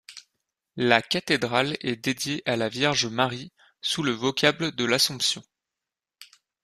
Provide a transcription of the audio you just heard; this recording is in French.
La cathédrale est dédiée à la Vierge Marie sous le vocable de l'Assomption.